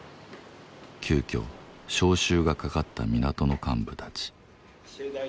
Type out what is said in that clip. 急きょ招集がかかった港の幹部たち。